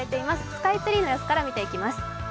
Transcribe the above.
スカイツリーの様子から見ていきます。